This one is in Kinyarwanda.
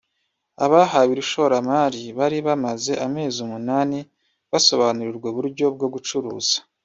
Abahawe iri shoramari bari bamaze amezi umunani basobanurirwa uburyo bwo gucuruza